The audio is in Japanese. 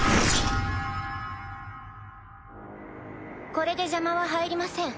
・これで邪魔は入りません